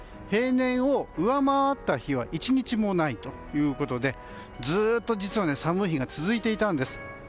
平年を上回った日は１日もないということでずっと実は寒い日が続いていたんです。